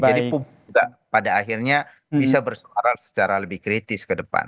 jadi pada akhirnya bisa bersuara secara lebih kritis ke depan